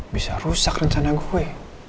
bisa rusak rencana gue